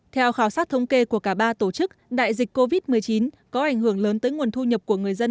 theo khảo sát thống kê của cả ba tổ chức đại dịch covid một mươi chín có ảnh hưởng lớn tới nguồn thu nhập của người dân